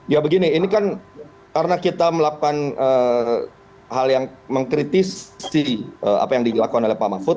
ya begini ini kan karena kita melakukan hal yang mengkritisi apa yang dilakukan oleh pak mahfud